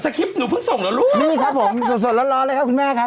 สคริปต์หนูเพิ่งส่งแล้วรู้นี่ครับผมสดร้อนเลยครับคุณแม่ครับ